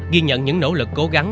ghi nhận những nỗ lực cố gắng